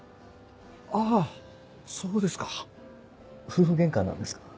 あぁそうですか。夫婦ゲンカなんですか？